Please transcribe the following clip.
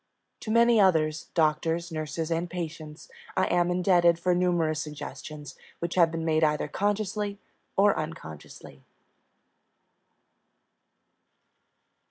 To many others doctors, nurses, and patients I am indebted for numerous suggestions which have been made either consciously or unconsciously.